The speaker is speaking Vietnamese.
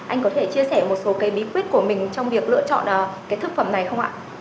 anh có thể chia sẻ một số cái bí quyết của mình trong việc lựa chọn cái thực phẩm này không ạ